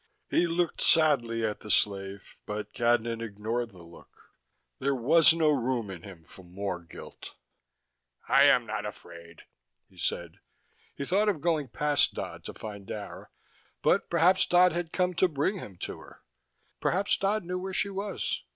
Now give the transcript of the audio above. He looked sadly at the slave, but Cadnan ignored the look: there was no room in him for more guilt. "I am not afraid," he said. He thought of going past Dodd to find Dara, but perhaps Dodd had come to bring him to her. Perhaps Dodd knew where she was.